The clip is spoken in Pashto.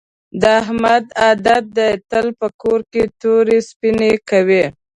د احمد عادت دې تل په کور کې تورې سپینې کوي.